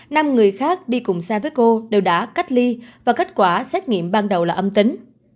năm người khác đi cùng xa với cô đều đã cách ly và kết quả xét nghiệm ban đầu là âm tính